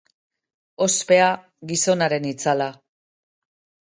Ospea, gizonaren itzala.